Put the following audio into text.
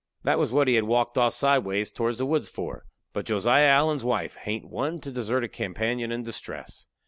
That was what he had walked off sideways toward the woods for. But Josiah Allen's wife hain't one to desert a companion in distress.